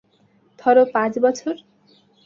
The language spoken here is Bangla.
ধরো, পাঁচ বছর।